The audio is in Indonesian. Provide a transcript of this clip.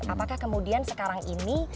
apakah kemudian sekarang ini